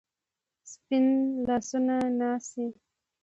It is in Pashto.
سپین لاسونه ناڅي